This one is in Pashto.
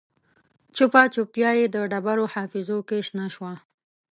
چوپه چوپتیا یې د ډبرو حافظو کې شنه شوه